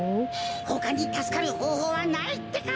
ほかにたすかるほうほうはないってか！